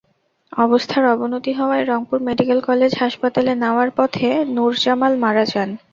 অবস্থার অবনতি হওয়ায় রংপুর মেডিকেল কলেজ হাসপাতালে নেওয়ার পথে নূরজামাল মারা যান।